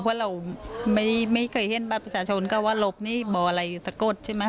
เพราะเราไม่เคยเห็นบัตรประชาชนก็ว่าหลบนี่บ่ออะไรสะกดใช่ไหม